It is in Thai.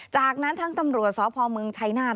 จากนั้นทั้งตำรวจสพเมืองชัยนาธิ